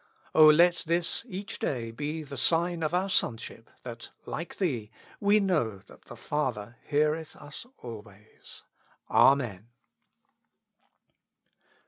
O let this each day be the sign of our sonship, that, like Thee, we know that the Father heareth us always. Amen.